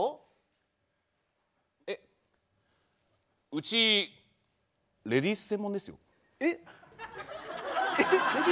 うちレディース専門ですよ？